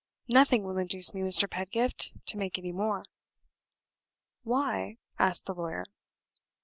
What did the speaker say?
"Nothing will induce me, Mr. Pedgift, to make any more." "Why?" asked the lawyer.